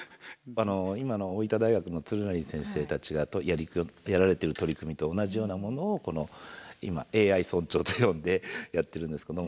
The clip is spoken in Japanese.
今の大分大学の鶴成先生たちがやられてる取り組みと同じようなものを今ＡＩ村長と呼んでやってるんですけど。